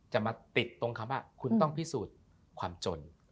จะมาติดตรงคำว่าคุณต้องพิสูจน์ความจน